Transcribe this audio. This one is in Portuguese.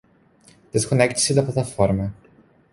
Desconecte-se da plataforma